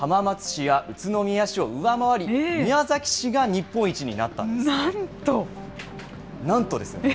浜松市や宇都宮市を上回り、宮崎市が日本一になったんです。